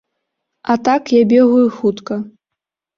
А так, я бегаю хутка.